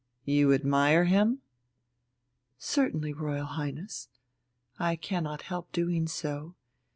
"You admire him?" "Certainly, Royal Highness. I cannot help doing so.